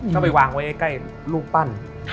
ก็ไปวางไว้ใกล้รูปปั้น